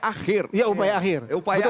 akhir ya upaya akhir